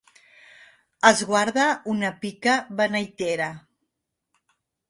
Es guarda una pica beneitera.